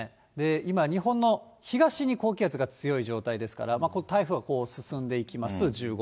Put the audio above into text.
今、日本の東に高気圧が強い状態ですから、台風がこう進んでいきます、１０号。